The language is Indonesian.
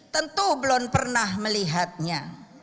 tentu belum pernah melihatnya